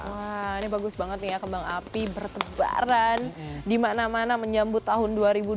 wah ini bagus banget nih ya kembang api bertebaran di mana mana menyambut tahun dua ribu dua puluh